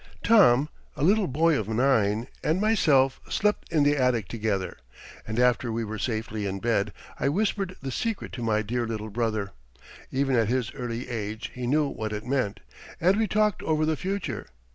Tom, a little boy of nine, and myself slept in the attic together, and after we were safely in bed I whispered the secret to my dear little brother. Even at his early age he knew what it meant, and we talked over the future.